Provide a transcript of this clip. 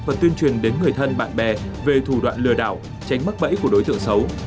và tuyên truyền đến người thân bạn bè về thủ đoạn lừa đảo tránh mắc bẫy của đối tượng xấu